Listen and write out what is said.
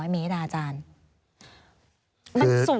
๓๔๐๐เมตรอาจารย์